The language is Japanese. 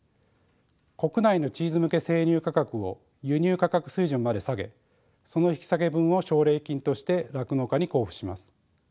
国内のチーズ向け生乳価格を輸入価格水準まで下げその引き下げ分を奨励金として酪農家に交付します。